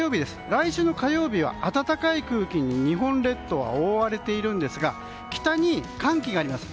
来週の火曜日は暖かい空気に日本列島は覆われていますが北に寒気があります。